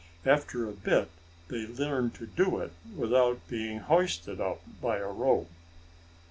After a bit they learn to do it without being hoisted up by a rope.